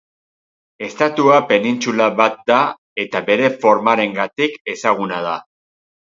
Estatua penintsula bat da eta bere formarengatik ezaguna da.